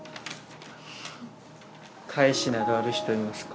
返しなどある人いますか？